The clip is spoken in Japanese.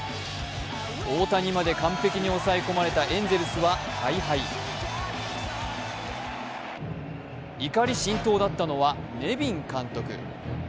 大谷まで完璧に抑え込まれたエンゼルスは大敗怒り心頭だったのはネビン監督。